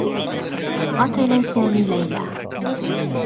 قتل سامي ليلى.